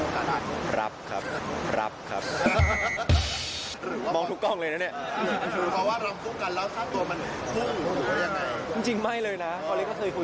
จริงคนจะบอกว่าคุณไม่รับหน่างานคู่